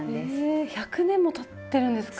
え１００年もたってるんですか？